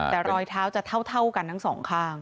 แต่รอยเท้าจะเท่ากันทั้งสองข้าง